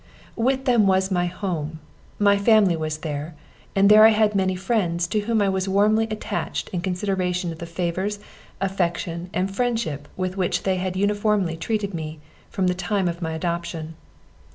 With them was my home; my family was there, and there I had many friends to whom I was warmly attached in consideration of the favors, affection and friendship with which they had uniformly treated me, from the time of my adoption.